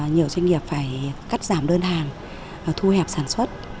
nhiều doanh nghiệp phải cắt giảm đơn hàng thu hẹp sản xuất